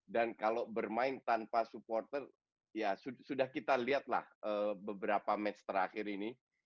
dan kalau bermain tanpa supporter ya sudah kita lihat lah beberapa match terakhir ini